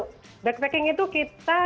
jadi backpacking itu kita